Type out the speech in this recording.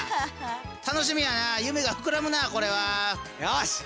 楽しみやな夢が膨らむなこれは。よし！